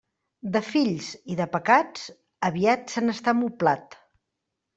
De fills i de pecats, aviat se n'està moblat.